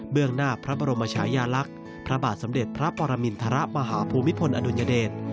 หน้าพระบรมชายาลักษณ์พระบาทสมเด็จพระปรมินทรมาหาภูมิพลอดุลยเดช